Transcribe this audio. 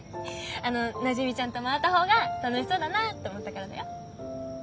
あのなじみちゃんと回った方が楽しそうだなと思ったからだよ。